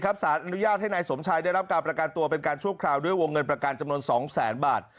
อันนี้พระสาธารณ์อนุญาตให้นายสมชายได้รับการประการตัวเป็นการช่วงคราวด้วยวงเงินประการจำนวน๒๐๐๐๐๐บาท